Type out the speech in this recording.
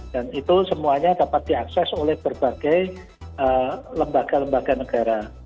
dan itu semuanya dapat diakses oleh berbagai lembaga lembaga negara